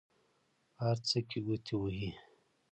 په هر څه کې ګوتې وهي.